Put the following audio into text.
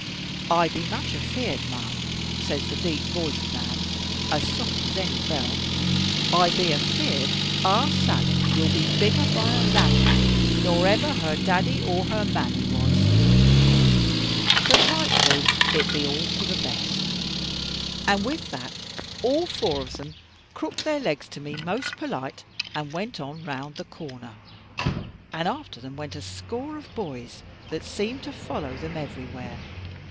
'I be much afeared, ma'am,' says the deep voiced man, as soft as any bell, 'I be afeared our Sally will be begger by a lanyard nor ever her daddy or her mammy was. But likely it be all for the best.' And with that all four of them crooked their legs to me most polite, and went on round the corner; and after them went a score of boys, that seemed to follow them everywhere.